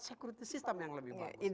security system yang lebih baik